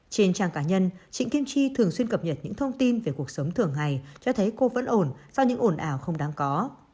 trên trang cá nhân chị kim chi thường xuyên cập nhật những thông tin về cuộc sống thường ngày cho thấy cô vẫn ổn do những ồn ào không đáng có